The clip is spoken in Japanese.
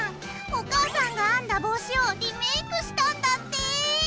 お母さんが編んだ帽子をリメイクしたんだって。